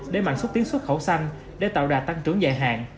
để mạnh xuất tiến xuất khẩu xanh để tạo đà tăng trưởng dài hạn